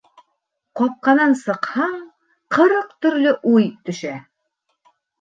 Ҡапҡанан сыҡһаң, ҡырҡ төрлө уй төшә.